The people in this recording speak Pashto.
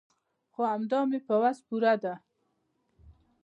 خو همدا مې په وس پوره ده.